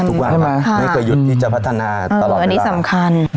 ทุกวันครับไม่กระหยุดที่จะพัฒนาตลอดเวลาอันนี้สำคัญใช่ไหม